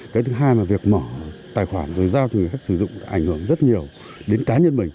cái thứ hai là việc mở tài khoản rồi giao cho người khách sử dụng ảnh hưởng rất nhiều đến cá nhân mình